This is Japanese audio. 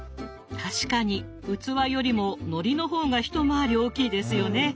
確かに器よりものりの方が一回り大きいですよね。